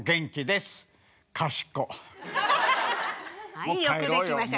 はいよくできました。